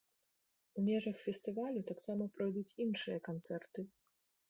У межах фестывалю таксама пройдуць іншыя канцэрты.